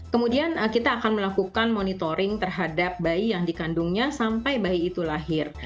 kemudian kita akan melakukan monitoring terhadap bayi yang dikandungnya sampai bayi itu lahir